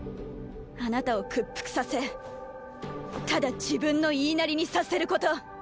あなたを屈服させただ自分の言いなりにさせること。